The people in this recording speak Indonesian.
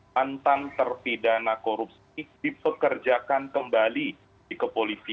mantan terpidana korupsi dipekerjakan kembali di kepolisian